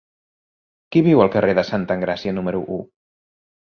Qui viu al carrer de Santa Engràcia número u?